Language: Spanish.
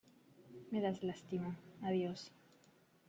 Me das lástima. Adiós .